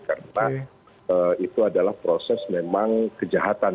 karena itu adalah proses memang kejahatan